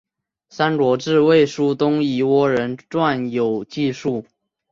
三国志魏书东夷倭人传有记述。